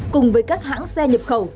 cùng với các hãng xe nhập khẩu